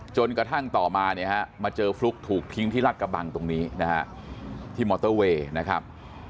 จนกระทั่งต่อมาเนี่ยฮะมาเจอฟลุ๊กถูกทิ้งที่รัฐกระบังตรงนี้นะฮะที่มอเตอร์เวย์นะครับ